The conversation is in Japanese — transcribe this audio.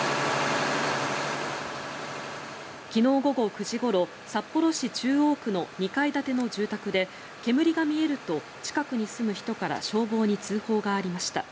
昨日午後９時ごろ札幌市中央区の２階建ての住宅で煙が見えると、近くに住む人から消防に通報がありました。